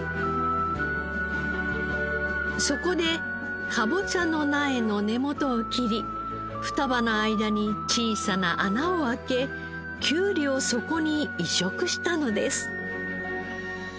そこでかぼちゃの苗の根元を切り双葉の間に小さな穴を開けきゅうりをそこに移植したのです。